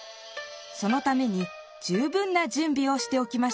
そのために十分な準備をしておきましょう。